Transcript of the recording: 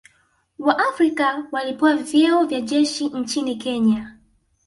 waafrika walipewa vyeo vya jeshi nchini Kenya